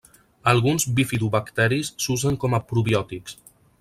Alguns bifidobacteris s'usen com a probiòtics.